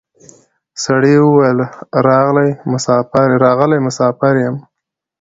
سړي وویل راغلی مسافر یم